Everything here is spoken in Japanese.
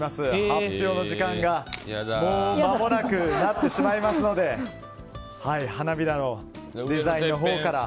発表の時間がまもなくとなってしまいますので花びらのデザインのほうから。